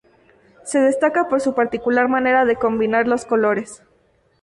Se destaca por su particular manera de combinar los colores.